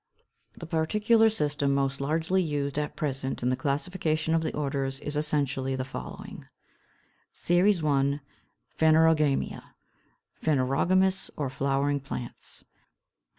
554. The particular system most largely used at present in the classification of the orders is essentially the following: SERIES I. PHANEROGAMIA: PHANEROGAMOUS OR FLOWERING PLANTS.